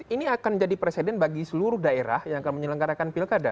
ini akan jadi presiden bagi seluruh daerah yang akan menyelenggarakan pilkada